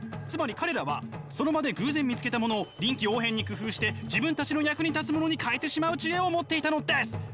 つまり彼らはその場で偶然見つけたものを臨機応変に工夫して自分たちの役に立つものに変えてしまう知恵を持っていたのです。